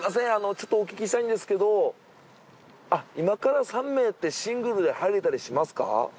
ちょっとお聞きしたいんですけど今から３名ってシングルで入れたりしますか？